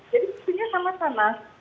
jadi maksudnya sama sama